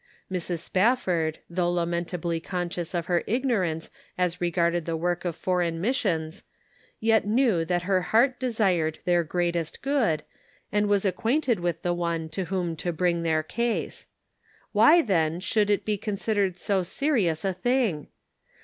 Mrs. Spafford, though lamentably conscious of her ignorance as regarded the work of for eign missions, yet knew that her heart desired their greatest good, and was acquainted with the One to whom to bring their case. Why, then, should it be considered so serious a thing